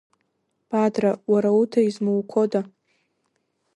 Бадра, уара уда измуқәода?